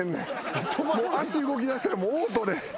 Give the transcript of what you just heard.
もう足動きだしたらオートで。